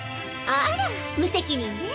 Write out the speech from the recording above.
あら無責任ね。